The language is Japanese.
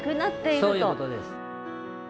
そういうことです。